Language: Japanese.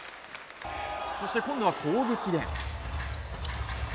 そして、今度は攻撃で。